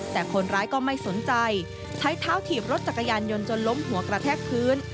แต่คนร้ายก็ไม่สนใจใช้เท้าถีบรถจักรยานยนต์จนล้มหัวกระแทกพื้น